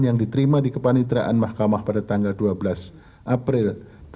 yang diterima dikepenitraan mahkamah pada tanggal dua belas april dua ribu sembilan belas